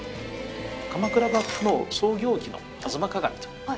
鎌倉幕府の創業期の『吾妻鏡』と。